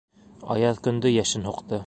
Аяҙ көндө йәшен һуҡты.